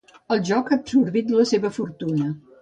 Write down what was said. El joc ha absorbit la seva fortuna.